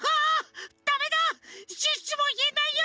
シュッシュもいえないよ！